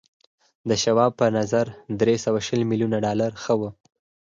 د شواب په نظر درې سوه شل ميليونه ډالر ښه و